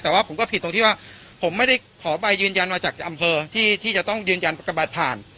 แต่ว่าผมก็ผิดตรงที่ว่าผมไม่ได้ขอใบยืนยันมาจากอำเภอที่จะต้องยืนยันประกาศผ่าน